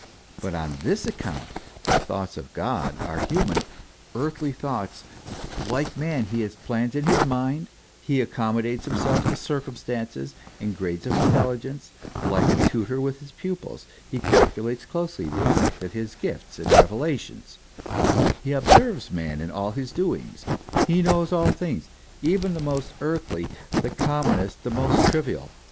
But on this account the thoughts of God are human, earthly thoughts: like man, He has plans in His mind, he accommo dates himself to circumstances and grades of intelligence, like a tutor with his pupils ; he calculates closely the effect of his gifts and revelations; he observes man in all his doings; he knows all things, even the most earthly, the commonest, the most trivial.